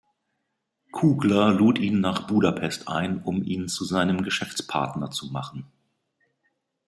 Kugler lud ihn nach Budapest ein, um ihn zu seinem Geschäftspartner zu machen.